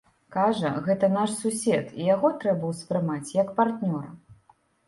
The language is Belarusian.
Кажа, гэта наш сусед і яго трэба ўспрымаць як партнёра.